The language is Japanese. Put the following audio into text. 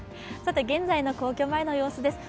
現在の皇居前の様子です。